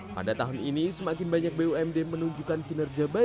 pada tahun ini semakin banyak bumd menunjukkan kinerja baik